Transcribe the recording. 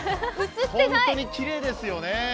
本当にきれいですよね。